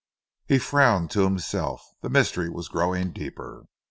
He frowned to himself. The mystery was growing deeper.